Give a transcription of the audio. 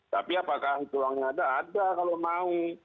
tapi apakah tulangnya ada ada kalau mau